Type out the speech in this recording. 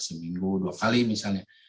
seminggu dua kali misalnya